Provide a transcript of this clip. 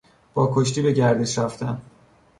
با کشتی به گردش رفتن